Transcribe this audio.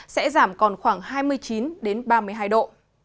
sẽ giảm còn khoảng hai mươi chín ba mươi hai độ